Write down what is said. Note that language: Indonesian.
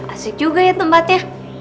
asik juga ya tempatnya